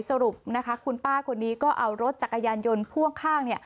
สรุปนะคะคุณป้าคนนี้ก็เอารถจักรยานยนต์พ่วงข้าง